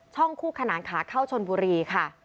คู่ขนานขาเข้าชนบุรีค่ะ